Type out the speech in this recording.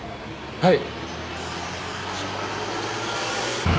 はい。